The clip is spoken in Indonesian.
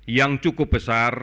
yang cukup besar